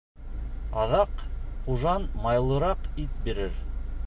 Аҙаҡ хужаң майлыраҡ ит бирер.